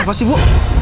apa sih bu